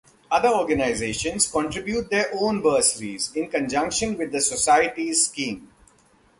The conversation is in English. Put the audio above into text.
Other organisations contribute their own bursaries in conjunction with the Society's scheme.